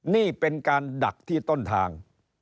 นี่เป็นการดักที่ต้นทาง